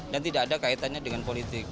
dan tidak ada kaitannya dengan politik